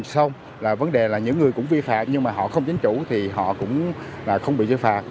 xong là vấn đề là những người cũng vi phạm nhưng mà họ không chính chủ thì họ cũng không bị giới phạt